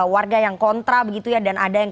warga yang kontra begitu ya dan ada yang